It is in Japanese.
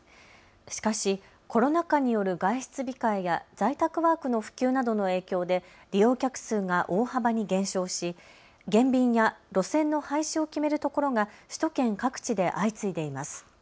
しかしコロナ禍による外出控えや在宅ワークの普及などの影響で利用客数が大幅に減少し減便や路線の廃止を決めるところが首都圏各地で相次いでいます。